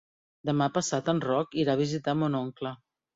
Demà passat en Roc irà a visitar mon oncle.